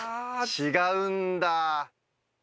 違うんだ！